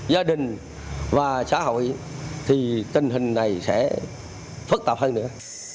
gia đình và xã hội thì tình hình này sẽ phức tạp hơn nữa